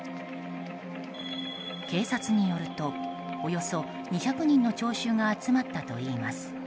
警察によると、およそ２００人の聴衆が集まったといいます。